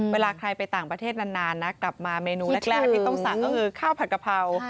เวลาใครไปต่างประเทศนานนะกลับมาเมนูแรกที่ต้องสั่งก็คือข้าวผัดกะเพรา